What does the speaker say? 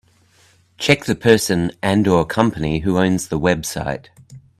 Check the person and/or company who owns this website.